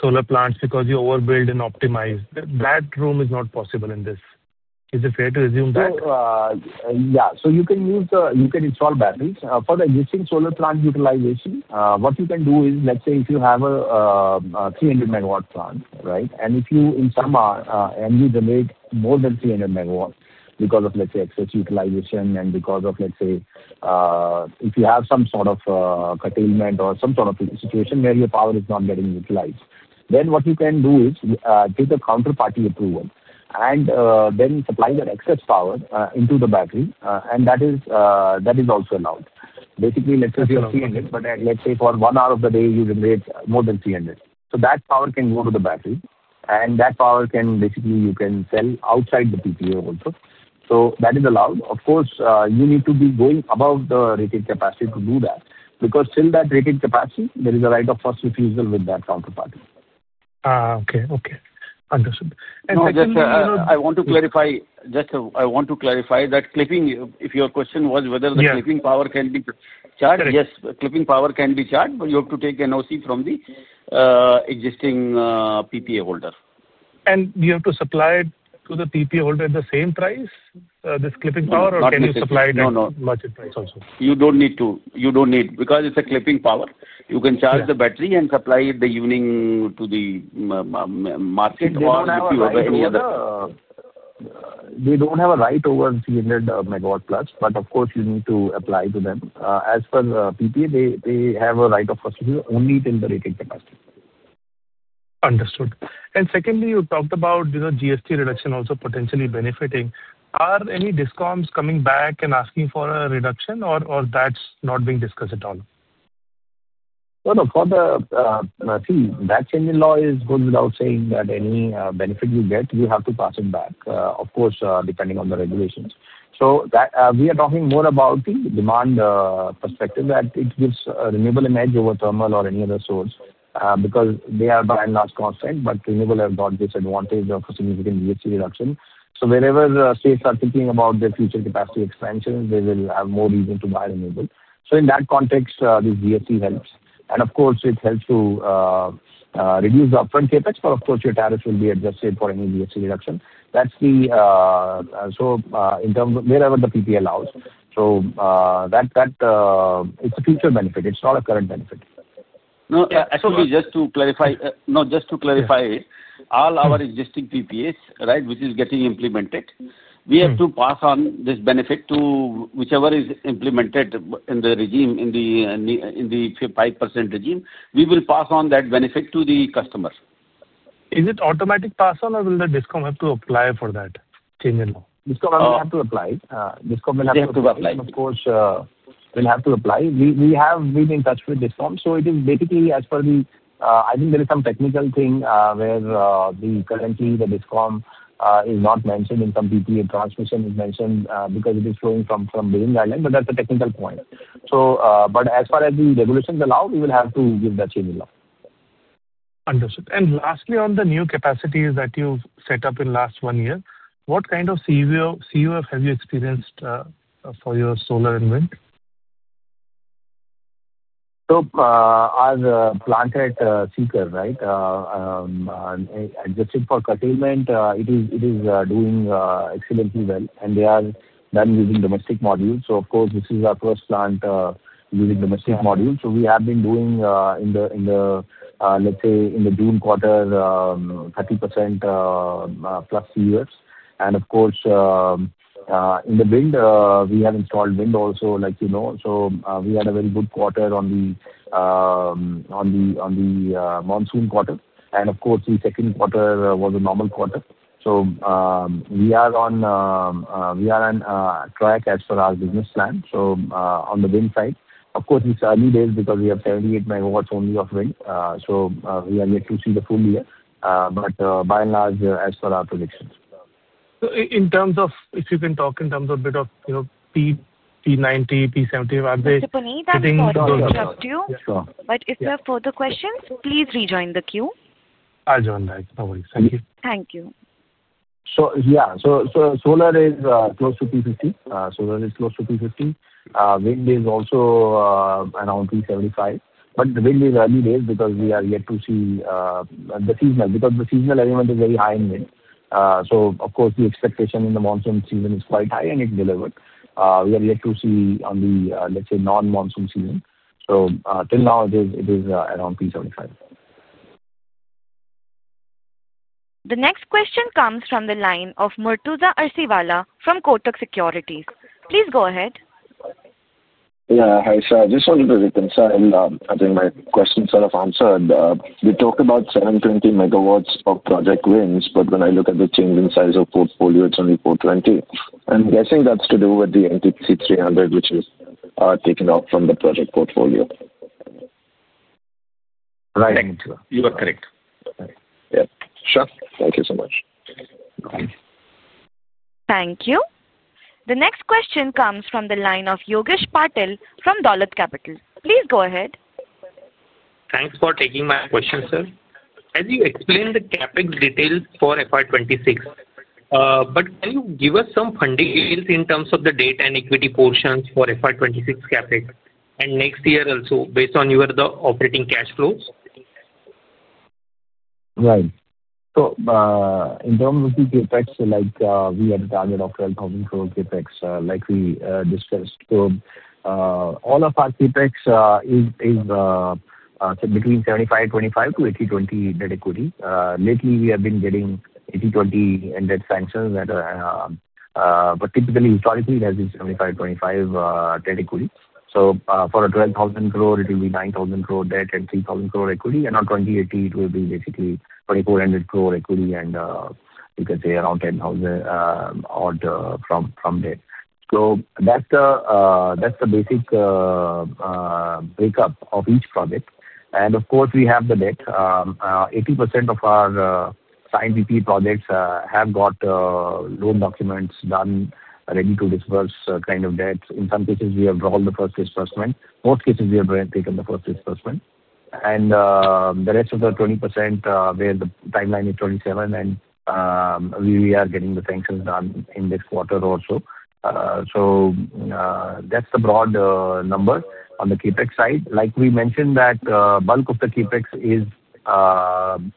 S7: solar plants because you overbuild and optimize. That room is not possible in this. Is it fair to assume that?
S4: Yeah. You can install batteries. For the existing solar plant utilization, what you can do is, let's say, if you have a 300 MW plant, right? If you, in summer, generate more than 300 MW because of, let's say, excess utilization and because of, let's say, if you have some sort of curtailment or some sort of situation where your power is not getting utilized, then what you can do is take a counterparty approval and then supply that excess power into the battery. That is also allowed. Basically, let's say 300, but let's say for one hour of the day, you generate more than 300. That power can go to the battery, and that power can, basically, you can sell outside the PPA also. That is allowed. Of course, you need to be going above the rated capacity to do that because till that rated capacity, there is a right of first refusal with that counterparty.
S7: Okay. Okay. Understood. Next question.
S3: I want to clarify, just I want to clarify that clipping, if your question was whether the clipping power can be charged. Yes, clipping power can be charged, but you have to take an OC from the existing PPA holder.
S7: Do you have to supply it to the PPA holder at the same price, this clipping power, or can you supply it at market price also?
S3: No, no. You don't need to. You don't need because it's a clipping power. You can charge the battery and supply it in the evening to the market or if you have any other. They don't have a right over 300 MW plus, but of course, you need to apply to them. As per PPA, they have a right of first refusal only till the rated capacity.
S7: Understood. Secondly, you talked about GST reduction also potentially benefiting. Are any discounts coming back and asking for a reduction, or that's not being discussed at all?
S4: For the, see, that change in law is good without saying that any benefit you get, you have to pass it back, of course, depending on the regulations. We are talking more about the demand perspective that it gives renewable an edge over thermal or any other source because they are by and large constant, but renewable have got this advantage of a significant GST reduction. Wherever states are thinking about their future capacity expansions, they will have more reason to buy renewable. In that context, this GST helps. Of course, it helps to reduce the upfront CapEx, but your tariffs will be adjusted for any GST reduction. That is the, so in terms of wherever the PPA allows. That, it is a future benefit. It is not a current benefit.
S3: No. Actually, just to clarify, all our existing PPAs, right, which is getting implemented, we have to pass on this benefit to whichever is implemented in the regime, in the 5% regime. We will pass on that benefit to the customer.
S7: Is it automatic pass-on, or will the discount have to apply for that change in law?
S3: Discount will have to apply. Discount will have to apply.
S4: Of course, will have to apply. We have been in touch with discoms. So it is basically as for the, I think there is some technical thing where currently the discom is not mentioned in some PPA, transmission is mentioned because it is flowing from within the guideline, but that's a technical point. But as far as the regulations allow, we will have to give that change in law.
S7: Understood. Lastly, on the new capacities that you've set up in the last one year, what kind of CUF have you experienced for your solar and wind?
S4: Our plant at Sikar, right. Adjusted for curtailment, it is doing excellently well, and they are done using domestic modules. Of course, this is our first plant using domestic modules. We have been doing in the, let's say, in the June quarter, 30% plus CUFs. Of course, in the wind, we have installed wind also, like you know. We had a very good quarter on the monsoon quarter. Of course, the second quarter was a normal quarter. We are on track as far as business plan. On the wind side, of course, it's early days because we have 78 MW only of wind. We are yet to see the full year, but by and large, as per our predictions.
S7: In terms of if you can talk in terms of a bit of P90, P70, are they hitting the goal?
S1: For Puneet, I'm going to interrupt you.
S7: Sure.
S1: If you have further questions, please rejoin the queue.
S7: I'll join back. No worries. Thank you.
S1: Thank you.
S4: Yeah. Solar is close to P50. Solar is close to P50. Wind is also around P75. The wind is early days because we are yet to see the seasonal, because the seasonal element is very high in wind. Of course, the expectation in the monsoon season is quite high, and it has delivered. We are yet to see on the, let's say, non-monsoon season. Till now, it is around P75.
S1: The next question comes from the line of Murtuza Arsiwalla from Kotak Securities. Please go ahead.
S8: Yeah. Hi, sir. I just wanted to reconcile. I think my question's sort of answered. We talked about 720 MWs of project wins, but when I look at the change in size of portfolio, it's only 420. I'm guessing that's to do with the NTPC 300, which is taken out from the project portfolio. Right.
S4: Thank you. You are correct.
S8: Yeah. Sure. Thank you so much.
S1: Thank you. The next question comes from the line of Yogesh Patil from Dolat Capital. Please go ahead.
S9: Thanks for taking my question, sir. As you explained the CapEx details for FY2026. Can you give us some funding details in terms of the debt and equity portions for FY2026 CapEx and next year also, based on your operating cash flows?
S4: Right. In terms of the CapEx, we had a target of 12,000 crore CapEx, like we discussed. All of our CapEx is between 75-25 to 80-20 net equity. Lately, we have been getting 80-20 and debt sanctions that are, but typically, historically, it has been 75-25 net equity. For 12,000 crore, it will be 9,000 crore debt and 3,000 crore equity. On 20-80, it will be basically 2,400 crore equity and you can say around 10,000 odd from debt. That's the basic breakup of each project. Of course, we have the debt. 80% of our signed VP projects have got loan documents done, ready to disburse kind of debts. In some cases, we have drawn the first disbursement. Most cases, we have taken the first disbursement. The rest of the 20% where the timeline is 2027, we are getting the sanctions done in this quarter also. That's the broad number on the CapEx side. Like we mentioned, bulk of the CapEx is done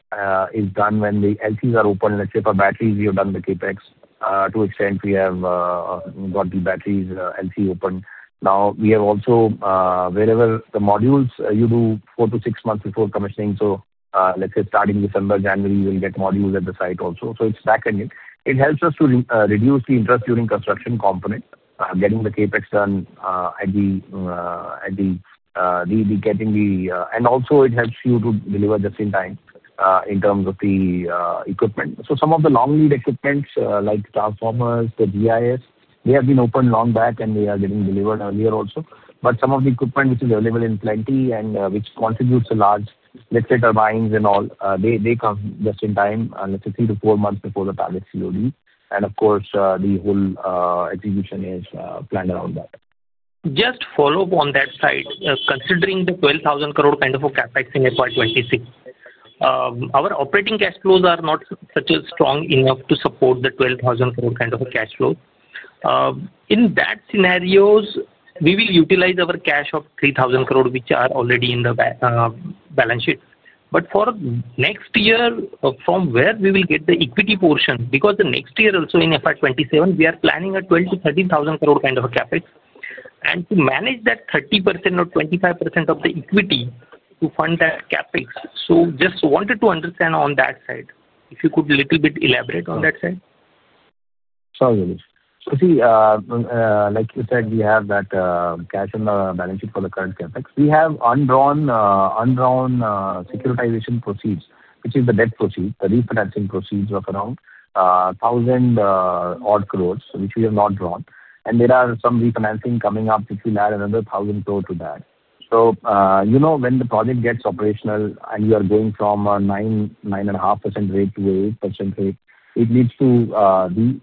S4: when the LCs are open. Let's say for batteries, we have done the CapEx to extent we have got the batteries LC open. Now, we have also, wherever the modules, you do four to six months before commissioning. Let's say starting December, January, you will get modules at the site also. It's back-ended. It helps us to reduce the interest during construction component, getting the CapEx done at the, and also, it helps you to deliver just in time in terms of the equipment. Some of the long lead equipments, like transformers, the GIS, they have been opened long back, and they are getting delivered earlier also. Some of the equipment, which is available in plenty and which contributes a large, let's say, turbines and all, they come just in time, let's say, three to four months before the target COD. Of course, the whole execution is planned around that.
S9: Just follow up on that side. Considering the 12,000 crore kind of a CapEx in fiscal year 2026. Our operating cash flows are not such as strong enough to support the 12,000 crore kind of a cash flow. In that scenario, we will utilize our cash of 3,000 crore, which are already in the balance sheet. For next year, from where will we get the equity portion, because next year also in fiscal year 2027, we are planning a 12,000-13,000 crore kind of a CapEx. To manage that, 30% or 25% of the equity to fund that CapEx. Just wanted to understand on that side. If you could a little bit elaborate on that side.
S4: Sure, Yogesh. So see. Like you said, we have that cash in the balance sheet for the current CapEx. We have unbrown securitization proceeds, which is the debt proceeds, the refinancing proceeds of around 1,000 crore, which we have not drawn. And there are some refinancing coming up if we add another 1,000 crore to that. When the project gets operational and you are going from a 9%-9.5% rate to 8% rate, it leads to the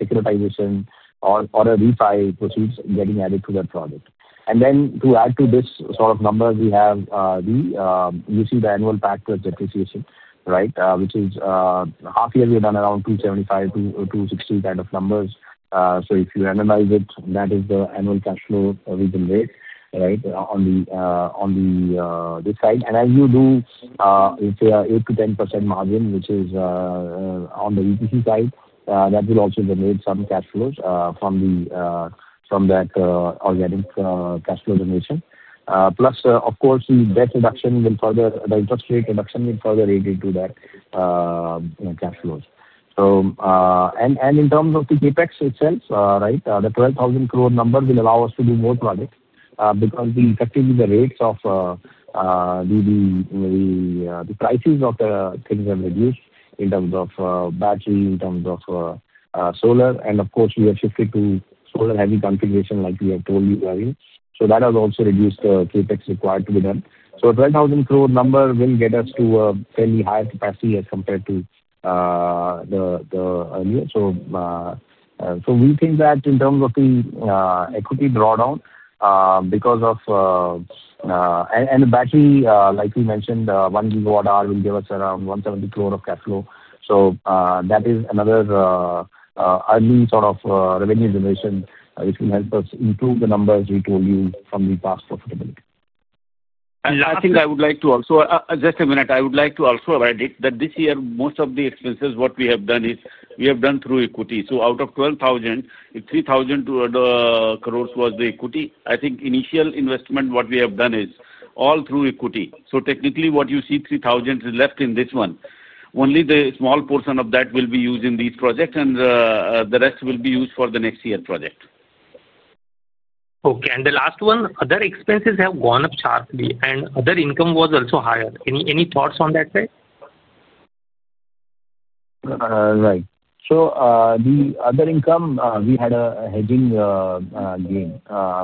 S4: securitization or a refile proceeds getting added to that project. To add to this sort of number, we have the UC, the annual pact with depreciation, right, which is half year, we have done around 275 crore-260 crore kind of numbers. If you annualize it, that is the annual cash flow we can make, right, on this side. As you do, let's say, an 8%-10% margin, which is on the VPC side, that will also generate some cash flows from that organic cash flow donation. Plus, of course, the debt reduction will further, the interest rate reduction will further aid into that cash flows. In terms of the CapEx itself, the 12,000 crore number will allow us to do more projects because effectively the rates of the prices of the things have reduced in terms of battery, in terms of solar. Of course, we have shifted to solar-heavy configuration like we have told you earlier. That has also reduced the CapEx required to be done. The 12,000 crore number will get us to a fairly higher capacity as compared to the earlier. We think that in terms of the equity drawdown because of, and the battery, like we mentioned, 1 GW hour will give us around INR 170 crore of cash flow. That is another early sort of revenue generation, which will help us improve the numbers we told you from the past profitability. Last thing, I would like to also, just a minute, I would like to also add that this year, most of the expenses, what we have done is we have done through equity. Out of 12,000 crore, 3,000 crore was the equity. I think initial investment, what we have done is all through equity. Technically, what you see, 3,000 crore is left in this one. Only a small portion of that will be used in these projects, and the rest will be used for the next year project.
S9: Okay. The last one, other expenses have gone up sharply, and other income was also higher. Any thoughts on that side?
S4: Right. The other income, we had a hedging gain,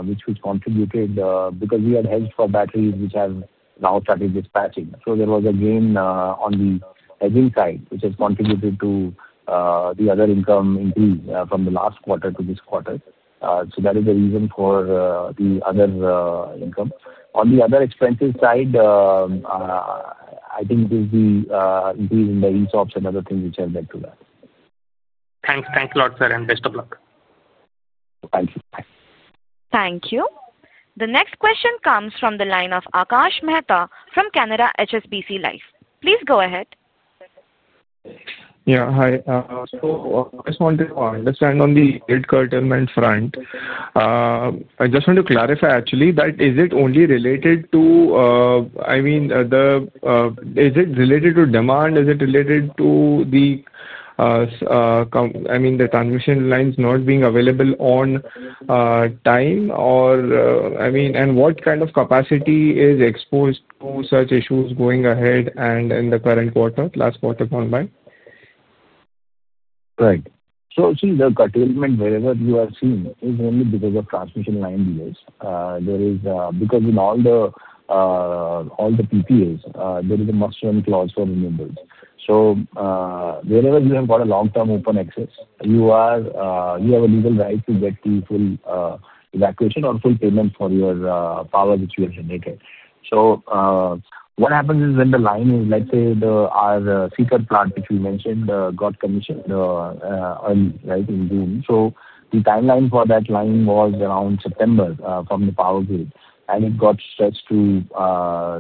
S4: which contributed because we had hedged for batteries, which have now started dispatching. There was a gain on the hedging side, which has contributed to the other income increase from the last quarter to this quarter. That is the reason for the other income. On the other expenses side, I think it is the increase in the ESOPs and other things which have led to that.
S9: Thanks. Thanks a lot, sir, and best of luck.
S4: Thank you.
S1: Thank you. The next question comes from the line of Akash Mehta from Canada HSBC Life. Please go ahead.
S10: Yeah. Hi. I just wanted to understand on the grid curtailment front. I just want to clarify, actually, is it only related to, I mean, is it related to demand? Is it related to the, I mean, the transmission lines not being available on time, or, I mean, and what kind of capacity is exposed to such issues going ahead and in the current quarter, last quarter gone by?
S4: Right. See, the curtailment, wherever you are seeing, is only because of transmission line deals. There is, because in all the PPAs, there is a mustering clause for renewables. Wherever you have got a long-term open access, you have a legal right to get the full evacuation or full payment for your power that you have generated. What happens is when the line is, let's say, our Seeker plant, which we mentioned, got commissioned earlier, right, in June. The timeline for that line was around September from the power grid, and it got stretched to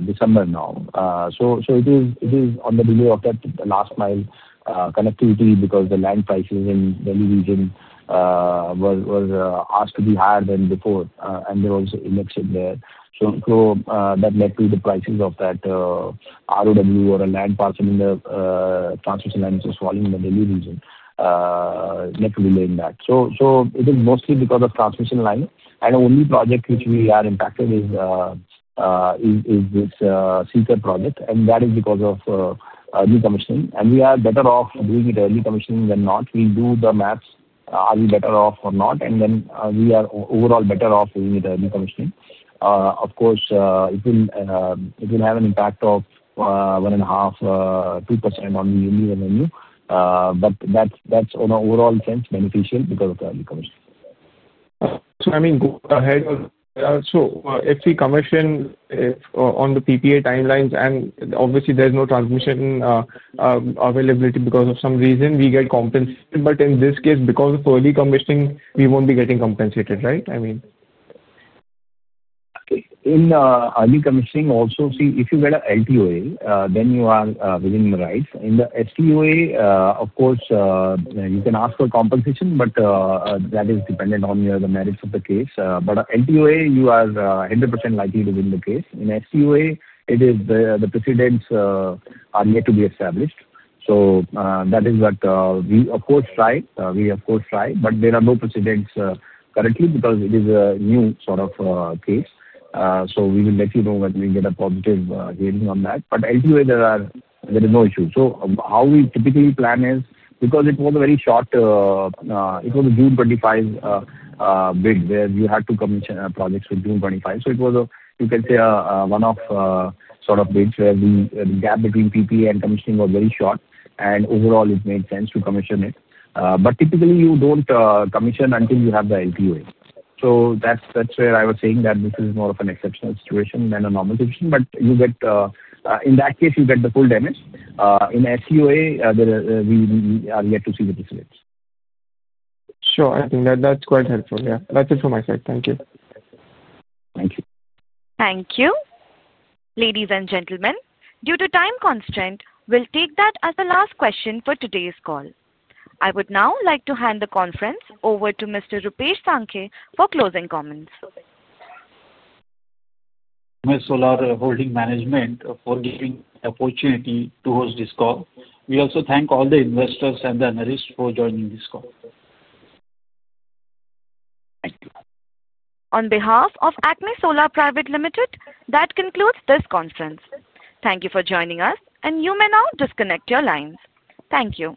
S4: December now. It is on the below of that last mile connectivity because the land prices in the Delhi region were asked to be higher than before, and there was election there. That led to the prices of that [ROW] or a land parcel in the transmission lines was falling in the Delhi region. Net relay in that. It is mostly because of transmission line. The only project which we are impacted is this Seeker project, and that is because of early commissioning. We are better off doing it early commissioning than not. We do the maths, are we better off or not? We are overall better off doing it early commissioning. Of course, it will have an impact of 1.5%-2% on the yearly revenue. That is, in an overall sense, beneficial because of the early commissioning.
S10: I mean, go ahead. If we commission on the PPA timelines, and obviously, there's no transmission availability because of some reason, we get compensated. In this case, because of early commissioning, we won't be getting compensated, right? I mean.
S4: Okay. In early commissioning, also see, if you get an LTOA, then you are within the rights. In the STOA, of course, you can ask for compensation, but that is dependent on the merits of the case. LTOA, you are 100% likely to win the case. In STOA, the precedents are yet to be established. That is what we of course try. We of course try, but there are no precedents currently because it is a new sort of case. We will let you know when we get a positive hearing on that. LTOA, there are no issues. How we typically plan is because it was a very short. It was a June 2025 bid where you had to commission projects for June 2025. It was, you can say, a one-off sort of bid where the gap between PPA and commissioning was very short, and overall, it made sense to commission it. Typically, you do not commission until you have the LTOA. That is where I was saying that this is more of an exceptional situation than a normal situation. In that case, you get the full damage. In STOA, we are yet to see the precedents.
S10: Sure. I think that's quite helpful. Yeah. That's it from my side. Thank you.
S4: Thank you.
S1: Thank you. Ladies and gentlemen, due to time constraint, we'll take that as the last question for today's call. I would now like to hand the conference over to Mr. Rupesh Sankhe for closing comments.
S2: ACME Solar Holdings Management for giving the opportunity to host this call. We also thank all the investors and the analysts for joining this call. Thank you.
S1: On behalf of ACME Solar Private Limited, that concludes this conference. Thank you for joining us, and you may now disconnect your lines. Thank you.